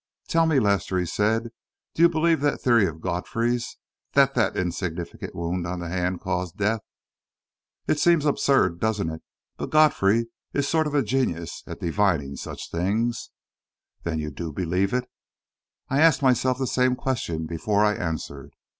"Tell me, Lester," he said, "do you believe that theory of Godfrey's that that insignificant wound on the hand caused death?" "It seems absurd, doesn't it? But Godfrey is a sort of genius at divining such things." "Then you do believe it?" I asked myself the same question before I answered.